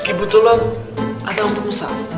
kebetulan ada ustaz musa